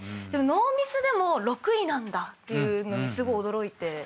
ノーミスでも６位なんだっていうのにすごい驚いて。